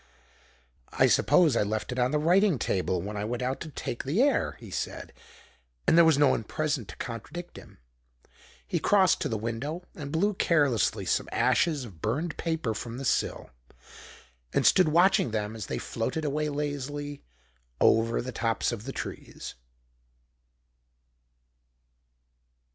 "I suppose I left it on the writing table when I went out to take the air," he said. And there was no one present to contradict him. He crossed to the window and blew carelessly some ashes of burned paper from the sill, and stood watching them as they floated away lazily over the tops of the trees.